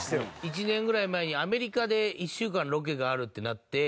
１年ぐらい前にアメリカで１週間ロケがあるってなって。